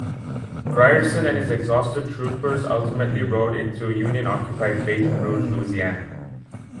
Grierson and his exhausted troopers ultimately rode into Union-occupied Baton Rouge, Louisiana.